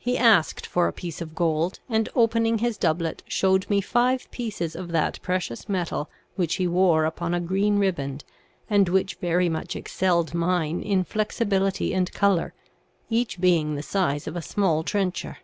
He asked for a piece of gold, and opening his doublet showed me five pieces of that precious metal which he wore upon a green riband, and which very much excelled mine in flexibility and color, each being the size of a small trencher.